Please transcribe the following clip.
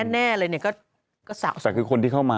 แน่เลยเนี่ยก็สะคือคนที่เข้ามา